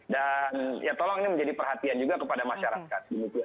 dan ya tolong ini menjadi perhatian juga kepada masyarakat